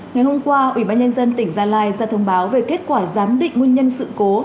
ngày hôm qua ủy ban nhân dân tỉnh gia lai ra thông báo về kết quả giám định nguyên nhân sự cố